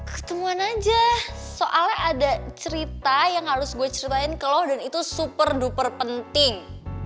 ketemuan aja soalnya ada cerita yang harus gue ceritain ke loh dan itu super duper penting